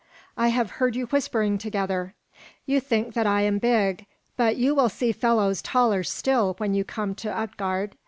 I have heard you whispering together. You think that I am big; but you will see fellows taller still when you come to Utgard.